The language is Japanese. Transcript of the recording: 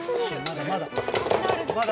まだまだ。